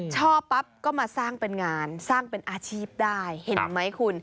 ชอบปั๊บก็มาสร้างเป็นงานสร้างเป็นอาชีพได้เห็นไหมคุณ